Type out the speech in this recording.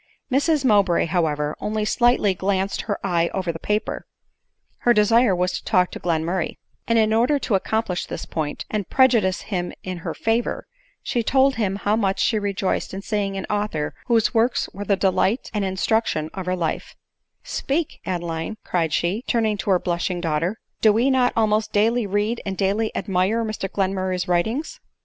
Mrs Mowbray, however, only slightly glanced her eye over the paper ; her desire was to talk to Glenmurray ; and in order to accomplish this point, and prejudice him in her favor, she told him how much she rejoiced in seeing an author whose works were the delight and in struction of her life, " Speak, Adeline," cried she ; turning to her blushing daughter ;" do we not almost daily read and daily admire Mr Glenmurray 's writings?"